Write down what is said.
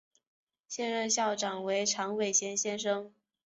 现任校长为杨伟贤先生。